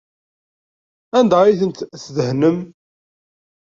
Anda ay tent-tdehnem?